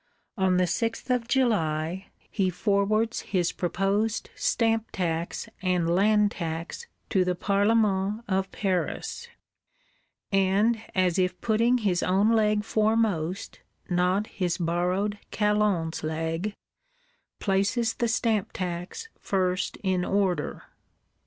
On the 6th of July, he forwards his proposed Stamp tax and Land tax to the Parlement of Paris; and, as if putting his own leg foremost, not his borrowed Calonne's leg, places the Stamp tax first in order.